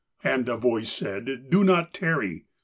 And a voice said, "Do not tarry!